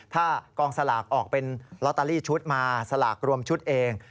ถ้ากองสลากออกเป็นลอตเตอรี่ชุดมาสลากรวมชุดเอง